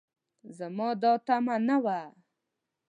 زما دا تمعه نه وه